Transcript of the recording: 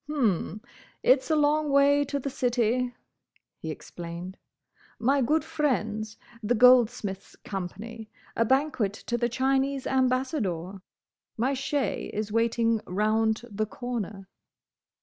"H'm, it is a long way to the City," he explained, "my good friends, the Goldsmiths' Company—a banquet to the Chinese Ambassador—my shay is waiting round the corner."